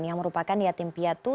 yang merupakan yatim piatu